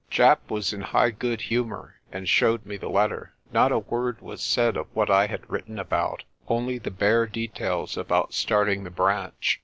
Japp was in high good humour, and showed me the letter. Not a word was said of what I had written about, only the bare details about starting the branch.